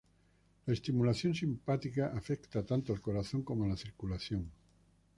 La estimulación simpática afecta tanto al corazón como a la circulación.